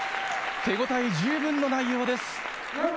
手応え十分の内容です。